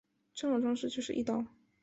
这样的装置就是翼刀。